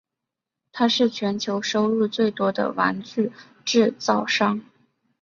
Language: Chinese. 它是全球收入最多的玩具制造商。